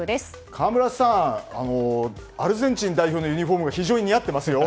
河村さん、アルゼンチン代表のユニホームが似合っていますよ。